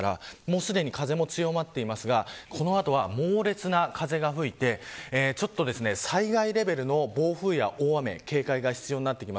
すでに風も強まっていますがこの後は猛烈な風が吹いて災害レベルの暴風や大雨警戒が必要です。